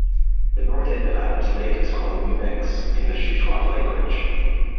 The north end of Adams Lake is called Mumix in the Shuswap language.